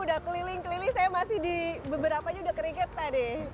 udah keliling keliling saya masih di beberapa juga keriget tadi